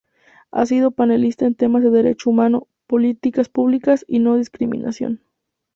Ha sido panelista en temas de derechos humanos, políticas públicas y no discriminación.